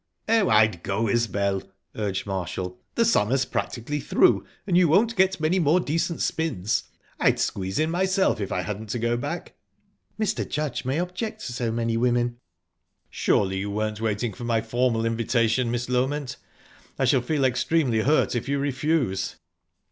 "Oh, I'd go, Isbel," urged Marshall. "The summer's practically through, and you won't get many more decent spins. I'd squeeze in, myself, if I hadn't to go back." "Mr. Judge may object to so many women." "Surely you weren't waiting for my formal invitation, Miss Loment? I shall feel extremely hurt if you refuse."